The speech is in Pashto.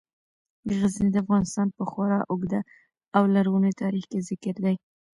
غزني د افغانستان په خورا اوږده او لرغوني تاریخ کې ذکر دی.